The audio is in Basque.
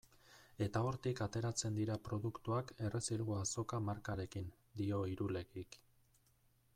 Eta hortik ateratzen dira produktuak Errezilgo Azoka markarekin, dio Irulegik.